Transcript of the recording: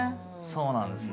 そうなんです。